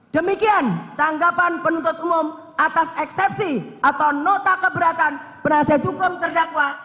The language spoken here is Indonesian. demikian tanggapan penuntut umum atas eksepsi atau nota keberatan penasihat hukum terdakwa